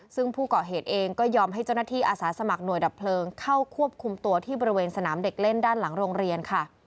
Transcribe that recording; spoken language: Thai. ซึ่งผู้ก่อเหตุเองก็ยอมให้เจ้าหน้าที่อาสาสมัครหน่วยดับเพลิงเข้าควบคุมตัวที่บริเวณสนามเด็กเล่นด้านหลังโรงเรียนค่ะ